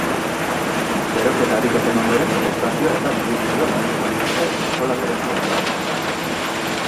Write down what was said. Beroketa ariketen ondoren, espazioa eta mugimendua landuko dituzte eskola berezi honetan.